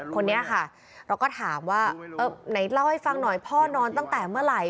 คนนี้ค่ะเราก็ถามว่าไหนเล่าให้ฟังหน่อยพ่อนอนตั้งแต่เมื่อไหร่